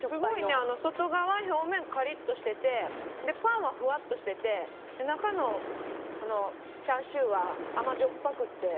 外側はカリッとしててパンはふわっとしてて中のチャーシューは甘じょっぱくて。